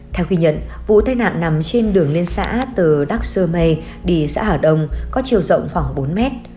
theo ghi nhận vụ tai nạn nằm trên đường liên xã từ đắc sơ mê đi xã hà đông có chiều rộng khoảng bốn mét